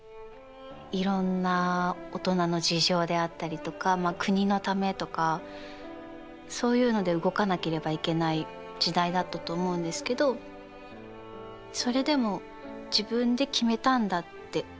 いろんな大人の事情であったりとか国のためとかそういうので動かなければいけない時代だったと思うんですけどそれでも自分で決めたんだって。